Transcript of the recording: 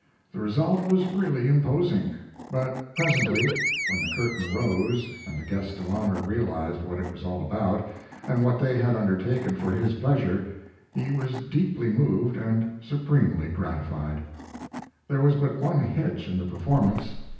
The result was really imposing; but presently, when the curtain rose and the guest of honor realized what it was all about, and what they had undertaken for his pleasure, he was deeply moved and supremely gratified. There was but one hitch in the performance.